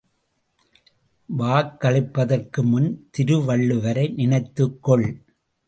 வாக்களிப்பதற்குமுன் திருவள்ளுவரை நினைத்துக் கொள்.